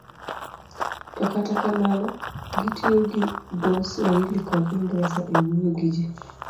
to kata kamano gitiyo gi dho Swahili kod Ingresa e wuoyo gi ji.